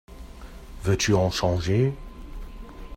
Veux-tu en changer ?